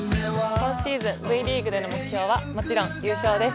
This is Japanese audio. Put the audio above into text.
今シーズン、Ｖリーグでの目標はもちろん優勝です。